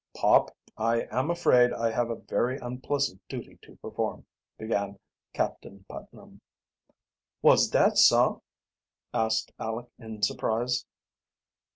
"Pop, I am afraid I have a very unpleasant duty to perform," began Captain Putnam. "Wot's dat, sah?" asked Aleck in surprise.